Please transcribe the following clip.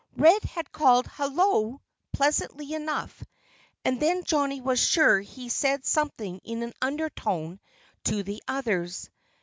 Red had called "Hullo!" pleasantly enough. And then Johnnie was sure he said something in an undertone to the others.